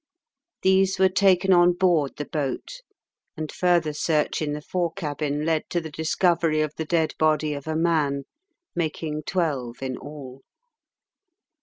These were taken on board the boat, and further search in the fore cabin led to the discovery of the dead body of a man, making twelve in all.